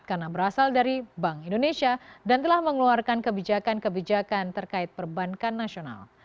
karena berasal dari bank indonesia dan telah mengeluarkan kebijakan kebijakan terkait perbankan nasional